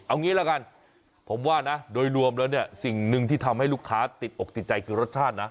เอางี้ละกันผมว่านะโดยรวมแล้วเนี่ยสิ่งหนึ่งที่ทำให้ลูกค้าติดอกติดใจคือรสชาตินะ